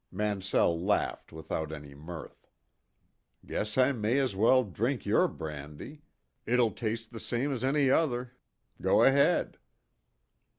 Mansell laughed without any mirth. "Guess I may as well drink your brandy. It'll taste the same as any other. Go ahead."